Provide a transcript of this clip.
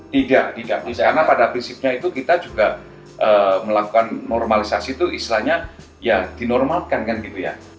tidak tidak bisa karena pada prinsipnya itu kita juga melakukan normalisasi itu istilahnya ya dinormalkan kan gitu ya